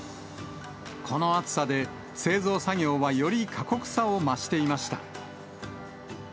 この暑さで、製造作業はより過酷さを増していました。